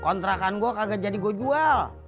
kontrakan gue kagak jadi gue jual